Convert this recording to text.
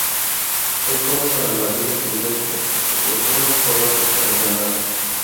Es bueno para la vida silvestre, y proporciona un forraje para el ganado.